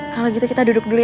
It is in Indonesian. kalau gitu kita duduk dulu